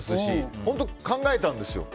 本当、考えたんですよ。